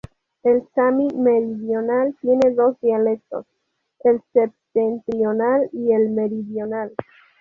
El sami meridional tiene dos dialectos, el septentrional y el meridional.